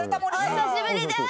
お久しぶりです。